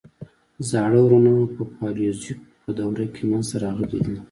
زاړه غرونه په پالیوزویک په دوره کې منځته راغلي دي.